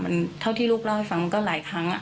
มันเท่าที่ลูกเล่าให้ฟังมันก็หลายครั้ง